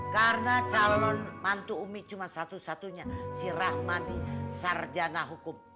karena calon mantu umi cuma satu satunya si rahmadi sarjana hukum